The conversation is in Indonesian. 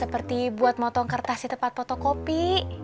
seperti buat motong kertas di tempat potok kopi